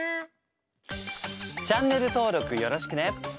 チャンネル登録よろしくね！